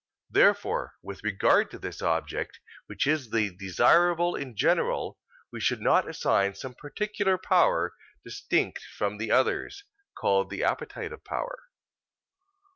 Therefore, with regard to this object which is the desirable in general, we should not assign some particular power distinct from the others, called the appetitive power.